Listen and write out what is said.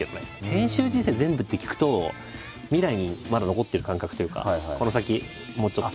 編集人生全部って聞くと未来にまだ残ってる感覚というかこの先もうちょっと。